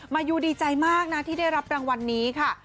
มายูดีใจมากนะที่ได้รับรางวัลนี้ค่ะ